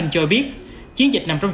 cho biết chiến dịch nằm trong